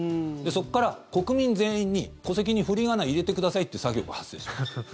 そこから国民全員に戸籍に振り仮名入れてくださいという作業が発生します。